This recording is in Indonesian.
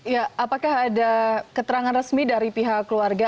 ya apakah ada keterangan resmi dari pihak keluarga